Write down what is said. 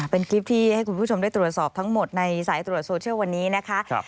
เป็นคลิปที่ให้คุณผู้ชมได้ตรวจสอบทั้งหมดในสายตรวจโซเชียลวันนี้นะคะ